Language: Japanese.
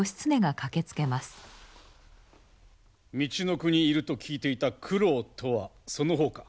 みちのくにいると聞いていた九郎とはその方か？